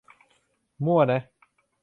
มั่วนะ